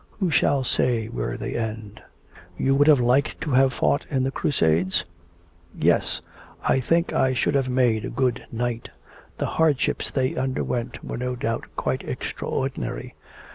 Who shall say where they end? 'You would have liked to have fought in the crusades?' 'Yes, I think that I should have made a good knight. The hardships they underwent were no doubt quite extraordinary.